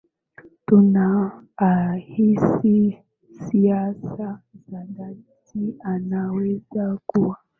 tu na hahisi hisia za dhati anaweza kuwa